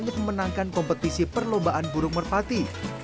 banyak memenangkan kompetisi perlombaan burung merpati